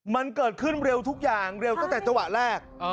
มันเกิดขึ้นเร็วทุกอย่างเร็วตั้งแต่จังหวะแรก